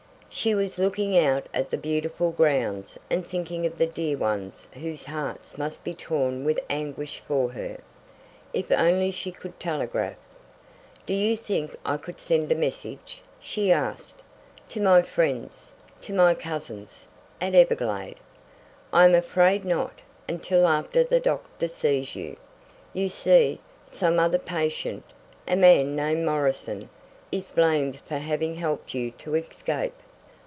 She was looking out at the beautiful grounds and thinking of the dear ones whose hearts must be torn with anguish for her. If only she could telegraph! "Do you think I could send a message?" she asked, "to my friends to my cousins, at Everglade?" "I am afraid not until after the doctor sees you. You see, some other patient a man named Morrison is blamed for having helped you to escape."